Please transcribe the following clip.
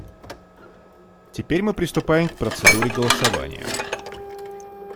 Теперь мы приступаем к процедуре голосования.